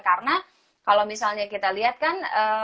karena kalau misalnya kita lihat kan